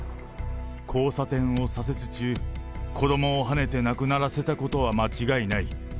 交差点を左折中、子どもをはねて亡くならせたことは間違いない。